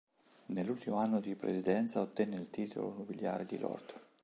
Nell'ultimo anno di presidenza ottenne il titolo nobiliare di Lord.